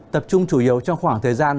tập trung chủ yếu trong khoảng thời gian